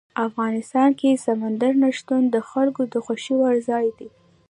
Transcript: افغانستان کې سمندر نه شتون د خلکو د خوښې وړ ځای دی.